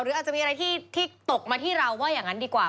อาจจะมีอะไรที่ตกมาที่เราว่าอย่างนั้นดีกว่า